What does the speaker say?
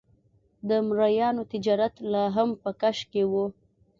د مریانو تجارت لا هم په کش کې و.